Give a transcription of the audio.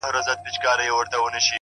له يوه كال راهيسي ـ